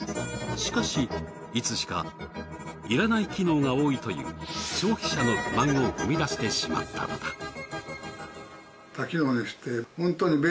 しかしいつしかいらない機能が多いという消費者の不満を生み出してしまったのだ。